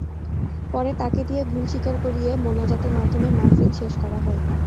পরে তাঁকে দিয়ে ভুল স্বীকার করিয়ে মোনাজাতের মাধ্যমে মাহফিল শেষ করা হয়।